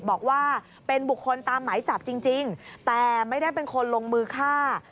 บอกว่าเป็นบุคคลตามหมายจับจริงแต่ไม่ได้เป็นคนลงมือฆ่า